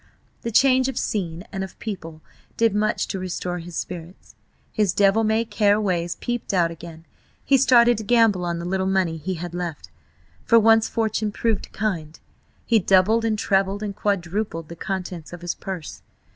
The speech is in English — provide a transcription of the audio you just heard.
The change of scene and of people did much to restore his spirits. His devil may care ways peeped out again; he started to gamble on the little money he had left. For once Fortune proved kind; he doubled and trebled and quadrupled the contents of his purse.